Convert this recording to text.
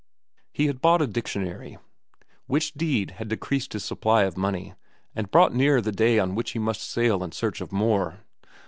He had bought a dictionary, which deed had decreased his supply of money and brought nearer the day on which he must sail in search of more.